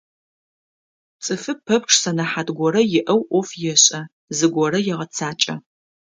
Цӏыфы пэпчъ сэнэхьат горэ иӏэу ӏоф ешӏэ, зыгорэ егъэцакӏэ.